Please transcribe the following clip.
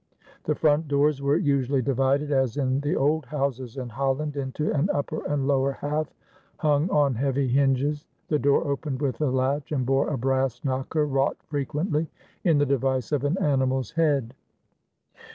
The front doors were usually divided, as in the old houses in Holland, into an upper and lower half hung on heavy hinges. The door opened with a latch, and bore a brass knocker wrought frequently in the device of an animal's head.